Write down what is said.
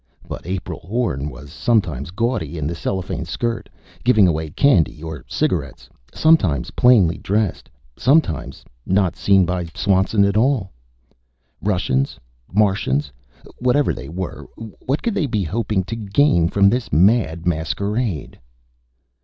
But April Horn was sometimes gaudy in the cellophane skirt, giving away candy or cigarettes; sometimes plainly dressed; sometimes not seen by Swanson at all. Russians? Martians? Whatever they were, what could they be hoping to gain from this mad masquerade?